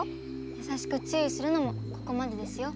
やさしくちゅういするのもここまでですよ。